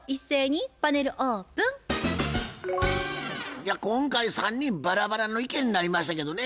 いや今回３人バラバラの意見になりましたけどね。